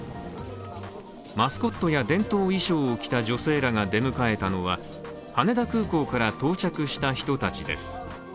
マスコットや、伝統衣装を着た女性らが出迎えたのは羽田空港から到着した人たちです。